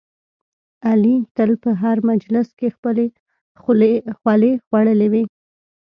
علي تل په هر مجلس کې خپلې خولې خوړلی وي.